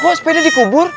kok sepeda dikubur